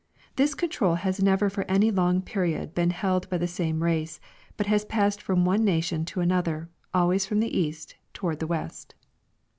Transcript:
This con trol has never for any long period been held by the same race, but has passed from one nation to another, always from the east toward the west.